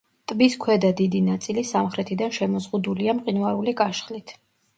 ტბის ქვედა დიდი ნაწილი სამხრეთიდან შემოზღუდულია მყინვარული „კაშხლით“.